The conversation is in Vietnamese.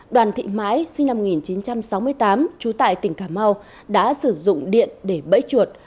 đoàn thị mãi sinh năm một nghìn chín trăm sáu mươi tám trú tại tỉnh cà mau đã sử dụng điện để bẫy chuột